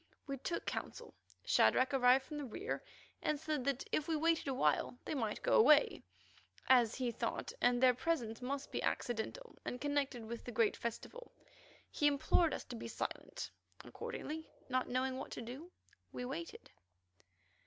We took counsel. Shadrach arrived from the rear, and said that if we waited awhile they might go away, as he thought that their presence must be accidental and connected with the great festival. He implored us to be quite silent. Accordingly, not knowing what to do, we waited.